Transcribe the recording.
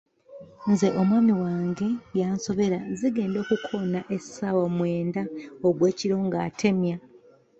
Nze omwami wange yansobera, zigenda okukoona essaawa mwenda ogw’ekiro ng’atemya.